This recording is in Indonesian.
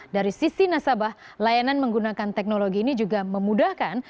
dari sisi nasabah layanan menggunakan teknologi ini juga memudahkan